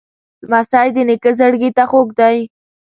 لمسی د نیکه زړګي ته خوږ دی.